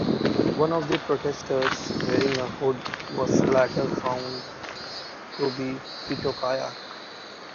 One of the protesters, wearing a hood, was later found to be Tito Kayak.